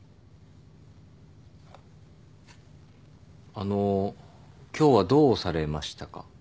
あの今日はどうされましたか？